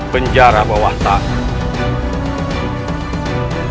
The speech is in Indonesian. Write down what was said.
penjara bawah tanah